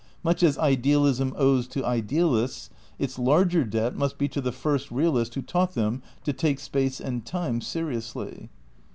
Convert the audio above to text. Much as idealism owes to idealists, its larger debt must be to the first realist who taught them to "take Space and Time seriously.